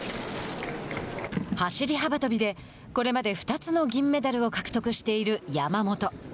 走り幅跳びでこれまで２つの銀メダルを獲得している山本。